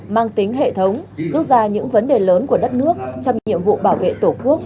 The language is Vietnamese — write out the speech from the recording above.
mang tính hệ thống rút ra những vấn đề lớn của đất nước trong nhiệm vụ bảo vệ tổ quốc